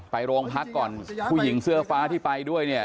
ไปโรงพักก่อนผู้หญิงเสื้อฟ้าที่ไปด้วยเนี่ย